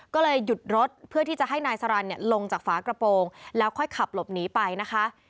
ก็เลยหยุดรถเพื่อที่จะให้นายสรรลงจากฝากระโปรงแล้วค่อยขับหลบหนีไปนะคะ